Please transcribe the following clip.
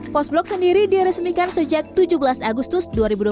post blok sendiri diresmikan sejak tujuh belas agustus dua ribu dua puluh